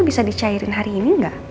bisa dicairin hari ini nggak